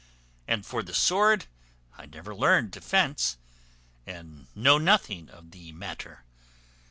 And for the sword, I never learned to fence, and know nothing of the matter.